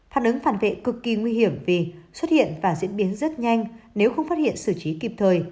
phản ứng phản vệ cực kỳ nguy hiểm vì xuất hiện và diễn biến rất nhanh nếu không phát hiện xử trí kịp thời